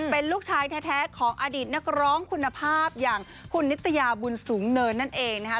เป็นลูกชายแท้ของอดีตนักร้องคุณภาพอย่างคุณนิตยาบุญสูงเนินนั่นเองนะคะ